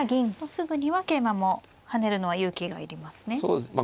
すぐには桂馬も跳ねるのは勇気がいりますね。